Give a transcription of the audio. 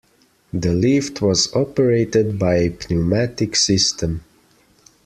The lift was operated by a pneumatic system.